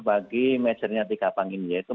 bagi merger nya tiga bank ini yaitu